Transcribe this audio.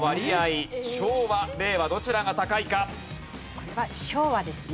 これは昭和ですね。